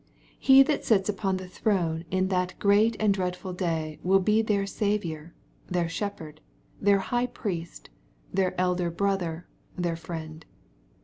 He that sits upon the throne in that great and dreadful day will be their Saviour, their Shepherd, their High Priest, their elder Brother, their Friend.